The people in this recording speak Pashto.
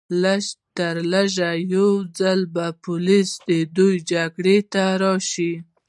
لږترلږه یو ځل به پولیس د دوی جګړې ته راشي